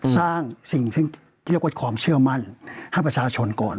สร้างสิ่งที่เรียกว่าความเชื่อมั่นให้ประชาชนก่อน